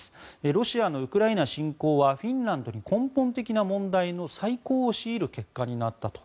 ロシアのウクライナ侵攻はフィンランドに根本的な問題の再考を強いる結果になったと。